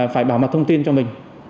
phải bảo mặt thông tin cho mình